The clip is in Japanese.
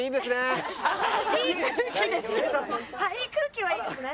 いい空気ですけど空気はいいですね。